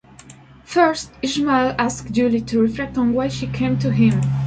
First, Ishmael asks Julie to reflect on why she came to him.